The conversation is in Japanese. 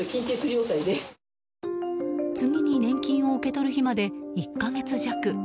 次に年金を受け取る日まで１か月弱。